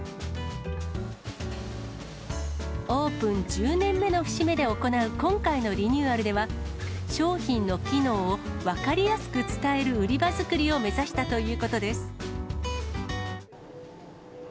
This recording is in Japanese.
オープン１０年目の節目で行う今回のリニューアルでは、商品の機能を分かりやすく伝える売り場作りを目指したということです。